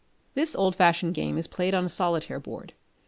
This old fashioned game is played on a solitaire board.